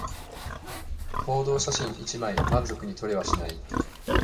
報道写真一枚満足に撮れはしない